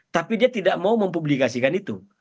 tapi dia tidak mau mempublikasikan itu